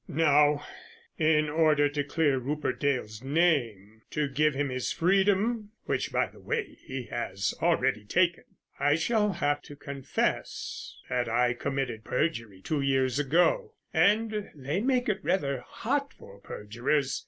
"Now, in order to clear Rupert Dale's name, to give him his freedom—which, by the way, he has already taken—I shall have to confess that I committed perjury two years ago. And they make it rather hot for perjurers.